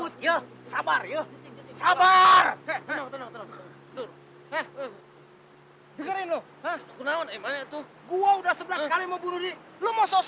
tidak ada orang yang membunuh diri